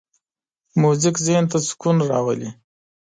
موزیک ذهن ته سکون راولي.